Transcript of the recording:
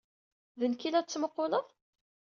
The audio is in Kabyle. D nekk ay la d-tettmuqquled?